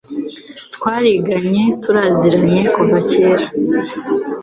twariganye turaziranye kuva kera